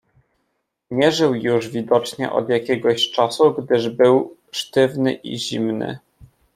"Nie żył już widocznie od jakiegoś czasu, gdyż był sztywny i zimny."